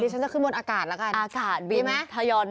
จะขึ้นบนอากาศซักทีแล้วกัน